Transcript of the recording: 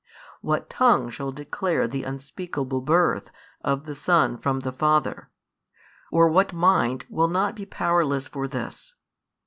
what tongue shall declare the unspeakable Birth of the Son from the Father? or what mind will not be powerless for this?